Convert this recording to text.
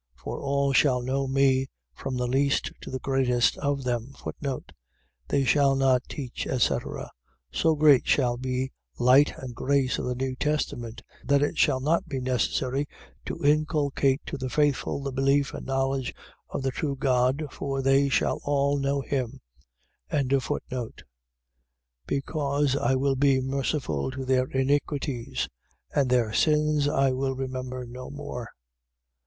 For all shall know me, from the least to the greatest of them. They shall not teach, etc. . .So great shall be light and grace of the new testament, that it shall not be necessary to inculcate to the faithful the belief and knowledge of the true God, for they shall all know him. 8:12. Because I will be merciful to their iniquities: and their sins I will remember no more.